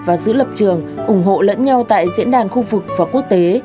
và giữ lập trường ủng hộ lẫn nhau tại diễn đàn khu vực và quốc tế